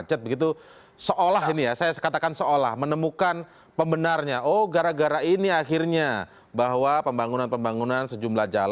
dan empat proyek merupakan program pemerintah pusat